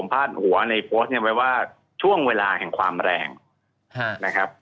พาดหัวในโพสต์นี้ไว้ว่าช่วงเวลาแห่งความแรงนะครับ